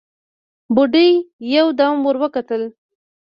بوډۍ يودم ور وکتل: